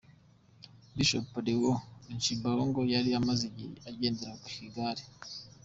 Bishop Leo Rucibigango yari amaze igihe agendera mu igare.